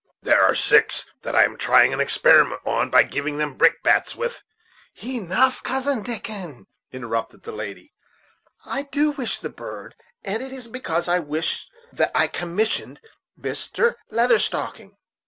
There are six that I am trying an experiment on, by giving them brick bats with " "Enough, Cousin Dickon," interrupted the lady; "I do wish the bird, and it is because I so wish that I commissioned this Mr. Leather Stocking."